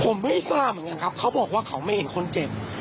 ผมไม่ทราบเหมือนกันครับเขาบอกว่าเขาไม่เห็นคนเจ็บ